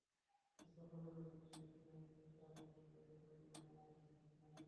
স্মার্টফোনের ব্যবসা নিয়ে অ্যাপলের মতো চিন্তাভাবনা শুরু করছে দক্ষিণ কোরিয়ার প্রতিষ্ঠান স্যামসাং।